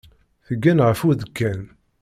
Tgen ɣef udekkan.